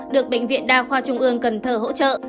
được bệnh viện đa khoa trung ương cần thơ hỗ trợ